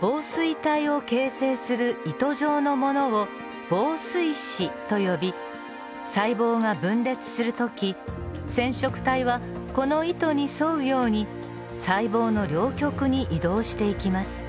紡錘体を形成する糸状のものを紡錘糸と呼び細胞が分裂する時染色体はこの糸に沿うように細胞の両極に移動していきます。